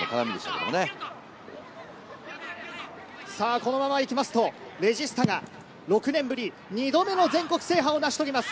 このまま行きますと、レジスタが６年ぶり２度目の全国制覇を成し遂げます。